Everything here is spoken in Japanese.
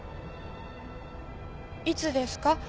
いつですか？